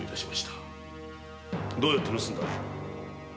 どうやって盗んだのだ？